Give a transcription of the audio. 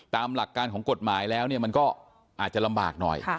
ตามหลักการของกฎหมายแล้วเนี่ยมันก็อาจจะลำบากหน่อย